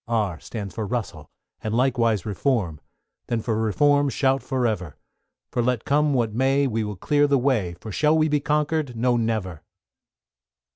=R= stands for Russell, and likewise Reform: Then for Reform shout for ever; For let come what may, we will clear the way, For shall we be conquered? No, never!